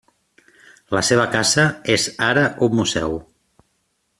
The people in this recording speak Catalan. La seva casa és ara un museu.